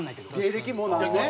芸歴もう何年？